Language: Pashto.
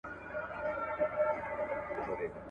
مرګ د هر ژوندي موجود حق دی.